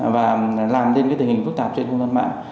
và làm nên cái tình hình phức tạp trên thông tin mạng